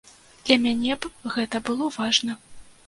Для мяне б гэта было важна.